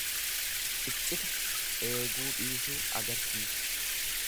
Icciti eeguu dhiisuu agarsiisa.